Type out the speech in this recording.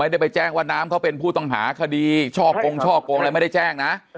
ได้ไปแจ้งว่าน้ำเขาเป็นผู้ต้องหาคดีช่อกงช่อกงอะไรไม่ได้แจ้งนะ